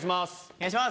お願いします！